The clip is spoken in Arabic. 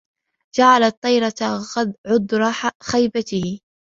جَعَلَ الطِّيَرَةَ عُذْرَ خَيْبَتِهِ